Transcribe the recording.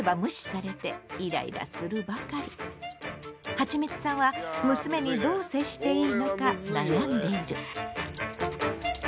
はちみつさんは娘にどう接していいのか悩んでいる。